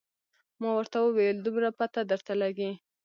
ما ورته وویل دومره پته درته لګي.